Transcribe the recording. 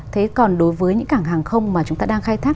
thế còn đối với những cảng hàng không mà chúng ta đang khai thác